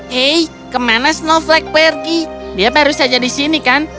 hei kemana snowflake pergi dia baru saja di sini kan